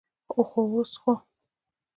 اوس خو.